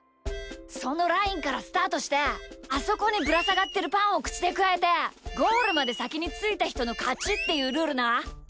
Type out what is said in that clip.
そのラインからスタートしてあそこにぶらさがってるパンをくちでくわえてゴールまでさきについたひとのかちっていうルールな！